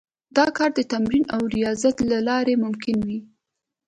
دا کار د تمرين او رياضت له لارې ممکن دی.